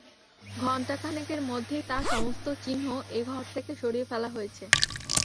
ঘন্টাখানেকের মধ্যেই তার সমস্ত চিহ্ন এ ঘর থেকে সরিয়ে ফেলা হয়েছে।